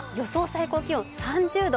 最高気温３０度。